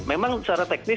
memang secara teknis